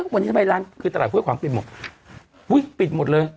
วันนี้ทำไมร้านคือตลาดห้วยขวางปิดหมดอุ้ยปิดหมดเลย